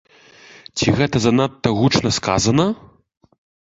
Ці гэта занадта гучна сказана?